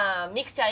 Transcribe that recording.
ちゃん